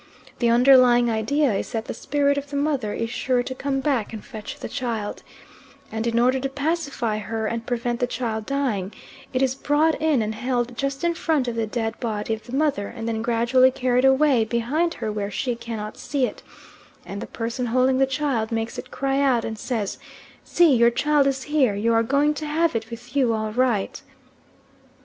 The underlying idea is that the spirit of the mother is sure to come back and fetch the child, and in order to pacify her and prevent the child dying, it is brought in and held just in front of the dead body of the mother and then gradually carried away behind her where she cannot see it, and the person holding the child makes it cry out and says, "See, your child is here, you are going to have it with you all right."